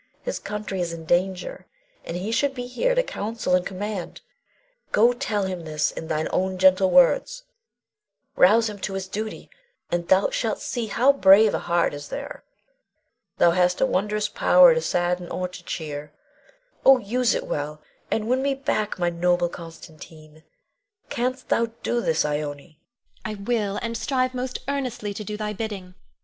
His country is in danger, and he should be here to counsel and command. Go, tell him this in thine own gentle words; rouse him to his duty, and thou shalt see how brave a heart is there. Thou hast a wondrous power to sadden or to cheer. Oh, use it well, and win me back my noble Constantine! Canst thou do this, Ione? Ione. I will; and strive most earnestly to do thy bidding.